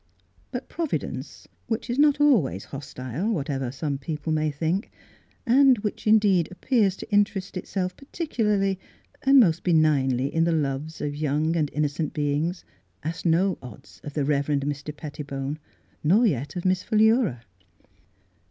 But Providence — which is not always hostile (whatever some people may think) and which, indeed, appears to interest it self particularly and most benignly in the loves of young and innocent beings — asked no odds of the Rev. Mr. Pettibone, nor yet of Miss Philura.